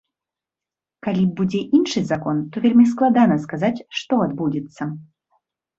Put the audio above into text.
Калі будзе іншы закон, то вельмі складана сказаць, што адбудзецца.